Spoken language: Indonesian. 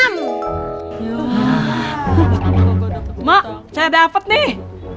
mak saya dapet nih